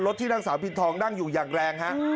ที่นางสาวพินทองนั่งอยู่อย่างแรงฮะ